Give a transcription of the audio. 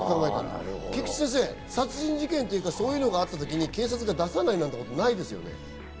菊地先生、殺人事件というか、そういうのがあった時、警察が出さないなんてことないですよね。